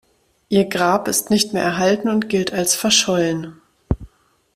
Ihr Grab ist nicht mehr erhalten und gilt als verschollen.